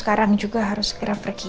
sekarang juga harus segera pergi